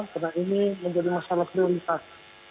karena ini menjadi masalah prioritas